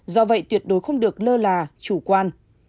do vậy tuyệt đối không được lơ là chủ quan